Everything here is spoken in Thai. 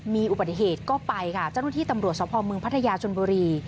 มีอุบัติเหตุก็ไปค่ะเจ้าหน้าที่ตำรวจสภเมืองพัทยาชนบุรี